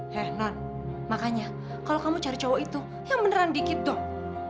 hernon makanya kalau kamu cari cowok itu yang beneran dikit dong